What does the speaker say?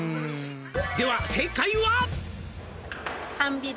「では正解は」